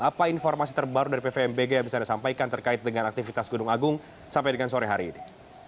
apa informasi terbaru dari pvmbg yang bisa anda sampaikan terkait dengan aktivitas gunung agung sampai dengan sore hari ini